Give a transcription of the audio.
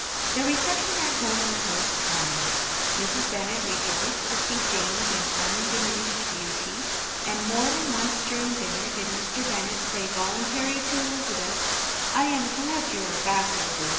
Their reception at home was most kind. Mrs. Bennet rejoiced to see Jane in undiminished beauty; and more than once during dinner did Mr. Bennet say voluntarily to Elizabeth, "I am glad you are come back, Lizzy."